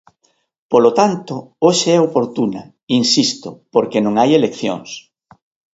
Polo tanto, hoxe é oportuna, insisto, porque non hai eleccións.